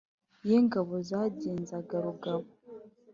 ye ngabo zagenzaga rugabo